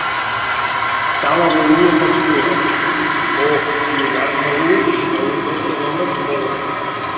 Cal abolir aquests poders o lliurar-ne l'ús a un nombre d'homes molt gran.